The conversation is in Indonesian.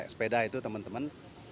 sepeda itu teman teman